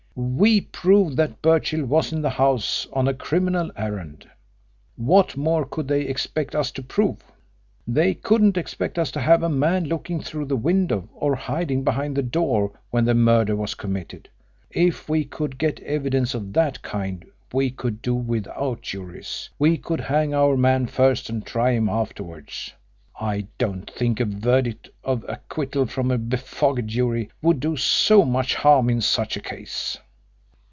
We proved that Birchill was in the house on a criminal errand. What more could they expect us to prove? They couldn't expect us to have a man looking through the window or hiding behind the door when the murder was committed. If we could get evidence of that kind we could do without juries. We could hang our man first and try him afterwards. I don't think a verdict of acquittal from a befogged jury would do so much harm in such a case."